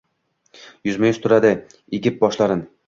Yuzma-yuz turadi egib boshlarin